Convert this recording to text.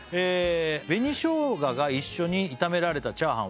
「紅ショウガが一緒に炒められたチャーハンは」